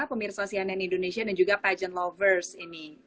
pemirsa sianen indonesia dan juga pageant lovers ini